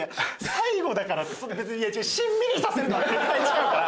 最後だからってしんみりさせるの絶対違うから。